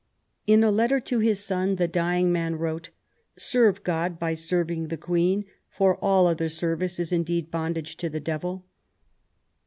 In a letter to his son the dying man wrote :" Serve God by serving* the Queen, for all other service is indeed bondage to the devil